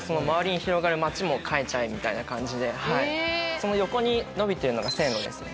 その横に延びてるのが線路ですね。